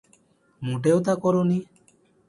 মোটেও তা করোনি।